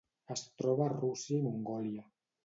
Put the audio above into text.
Es troba a Rússia i Mongòlia.